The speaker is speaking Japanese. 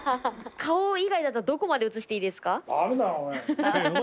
顔以外だったらどこまで映していいですか？